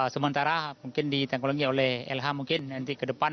sementara mungkin ditengkologi oleh lh mungkin nanti ke depan